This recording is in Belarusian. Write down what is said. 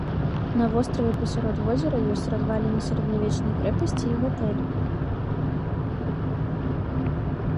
На востраве пасярод возера ёсць разваліны сярэднявечнай крэпасці і гатэль.